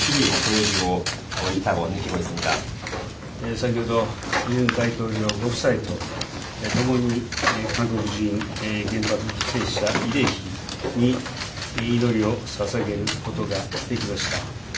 先ほど、ユン大統領ご夫妻と共に、韓国人原爆犠牲者慰霊碑に祈りをささげることができました。